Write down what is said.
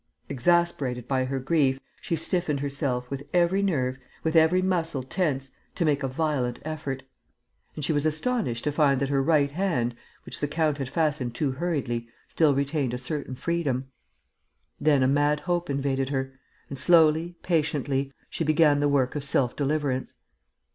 Exasperated by her grief, she stiffened herself, with every nerve, with every muscle tense, to make a violent effort. And she was astonished to find that her right hand, which the count had fastened too hurriedly, still retained a certain freedom. Then a mad hope invaded her; and, slowly, patiently, she began the work of self deliverance.